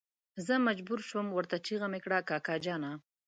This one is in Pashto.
زه مجبور شوم ورته چيغه مې کړه کاکا جانه.